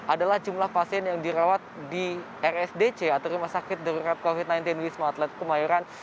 adalah jumlah pasien yang dirawat di rsdc atau rumah sakit darurat covid sembilan belas wisma atlet kemayoran